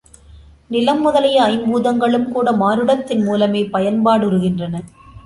நிலம் முதலிய ஐம்பூதங்களும் கூட மானுடத்தின் மூலமே பயன்பாடுறுகின்றன.